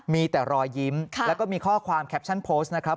มีแต่รอยยิ้มแล้วก็มีข้อความแคปชั่นโพสต์นะครับ